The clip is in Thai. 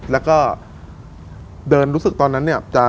แล้วก็เดินรู้สึกตอนนั้นเนี่ย